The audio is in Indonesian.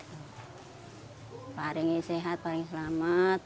semoga hari ini saya bisa sehat dan selamat